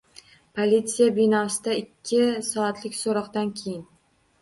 Politsiya binosida ikki soatlik so‘roqdan keyin